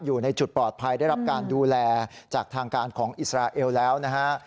อยู่ในจุดปลอดภัยได้รับการดูแลจากทางการของอิสราเอลแล้วนะฮะ